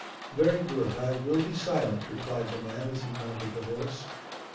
'Very good, I will be silent,' replied the man as he mounted the horse.